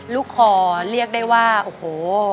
ลูกคอเรียกได้ว่าโอ้โห